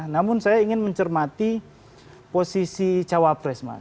namun saya ingin mencermati posisi cawapres mas